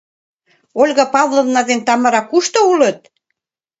Ольга Павловна ден Тамара кушто улыт?